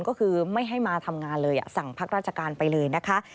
ก็คือไม่ให้มาทำงานเลยสั่งพักราชการไปเลยนะคะ